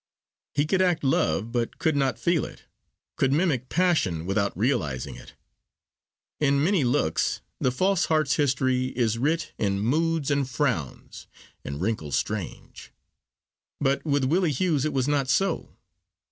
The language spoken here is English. He could act love, but could not feel it, could mimic passion without realising it. In many's looks the false heart's history Is writ in moods and frowns and wrinkles strange, but with Willie Hughes it was not so.